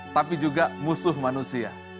tapi juga musuh manusia